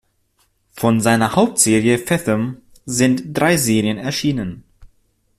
Von seiner Hauptserie Fathom sind drei Serien erschienen.